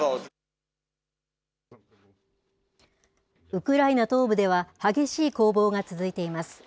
ウクライナ東部では、激しい攻防が続いています。